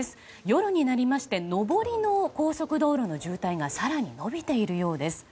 夜になりまして上りの高速道路の渋滞が更に伸びているようです。